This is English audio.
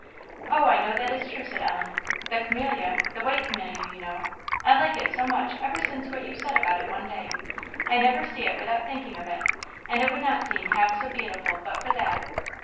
"Oh, I know that is true," said Ellen. "The camellia the white camellia, you know I like it so much ever since what you said about it one day. I never see it without thinking of it; and it would not seem half so beautiful but for that."